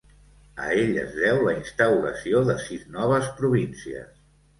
A ell es deu la instauració de sis noves províncies.